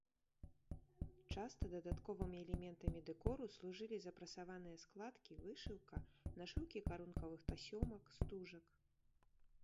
Часта дадатковымі элементамі дэкору служылі запрасаваныя складкі, вышыўка, нашыўкі карункавых тасёмак, стужак.